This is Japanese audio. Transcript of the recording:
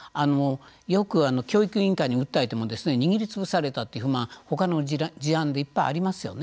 よく教育委員会に訴えても握り潰されたとほかの事案でいっぱいありますよね。